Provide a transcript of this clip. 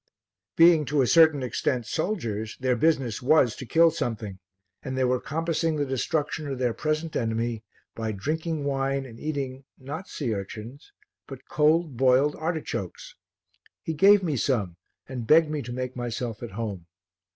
Being to a certain extent soldiers, their business was to kill something and they were compassing the destruction of their present enemy by drinking wine and eating not sea urchins but cold boiled artichokes. He gave me some and begged me to make myself at home.